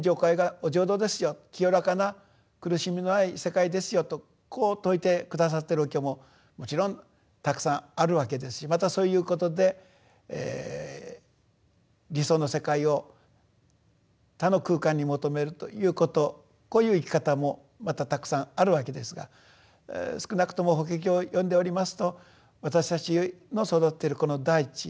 清らかな苦しみのない世界ですよとこう説いて下さっているお経ももちろんたくさんあるわけですしまたそういうことで理想の世界を他の空間に求めるということこういう生き方もまたたくさんあるわけですが少なくとも法華経を読んでおりますと私たちの育っているこの大地